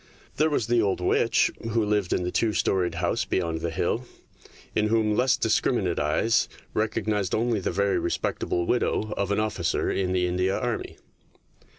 There was the old witch who lived in the two storied house beyond the hill, in whom less discriminate eyes recognised only the very respectable widow of an officer in the India Army.